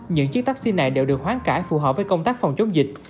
những chiếc taxi này đều được hoán cải phù hợp với công tác phòng chống dịch